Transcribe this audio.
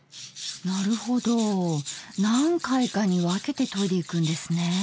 なるほど何回かに分けて研いでいくんですね。